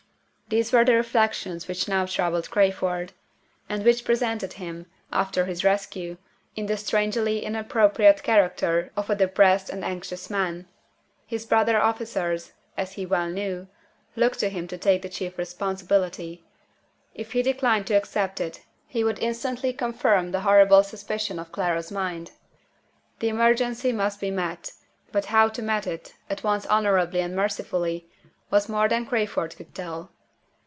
These were the reflections which now troubled Crayford, and which presented him, after his rescue, in the strangely inappropriate character of a depressed and anxious man. His brother officers, as he well knew, looked to him to take the chief responsibility. If he declined to accept it, he would instantly confirm the horrible suspicion in Clara's mind. The emergency must be met; but how to meet it at once honorably and mercifully was more than Crayford could tell.